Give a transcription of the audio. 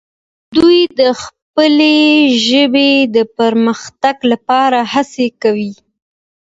دوی د خپلې ژبې د پرمختګ لپاره هڅې کوي.